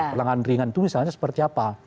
pelengan ringan itu misalnya seperti apa